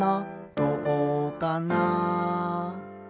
「どうかな」